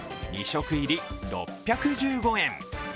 食入り６１５円。